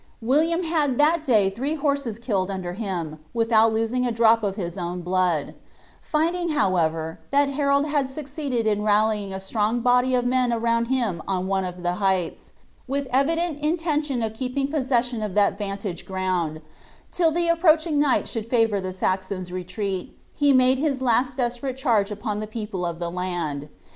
* William had that day three horses killed under him, without losing a drop of his own blo(>d ; finding, however, that Harold had succeeded in rallying a strong body of men around him on one of the heights, with the evident intention of keeping possession of that vantage ground, till the approaching night should favour the Saxon's retreat, he made his last desperate charge upon the people of the land.